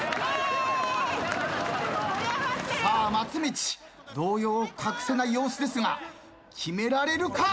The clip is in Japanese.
さあ松道動揺を隠せない様子ですが決められるか？